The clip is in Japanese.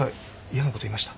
嫌なこと言いました？